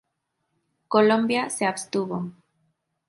Colombia se abstuvo.